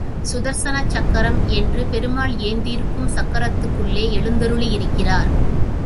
சுதர்சன சக்கரம் என்று பெருமாள் ஏந்தியிருக்கும் சக்கரத்துக்குள்ளேயே எழுந்தருளி யிருக்கிறார்.